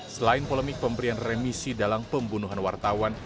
selain polemik pemberian remisi dalam pembunuhan wartawan